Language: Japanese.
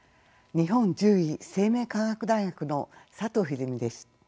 日本獣医生命科学大学の佐藤秀美です。